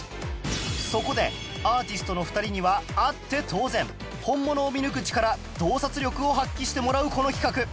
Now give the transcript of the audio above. そこでアーティストの２人にはあって当然本物を見抜く力洞察力を発揮してもらうこの企画